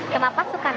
kenapa suka nari